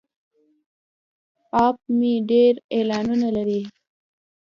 اپ مې ډیر اعلانونه لري.